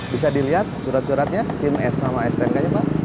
bisa dilihat surat suratnya sim sama stnk nya pak